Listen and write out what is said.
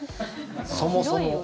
そもそも。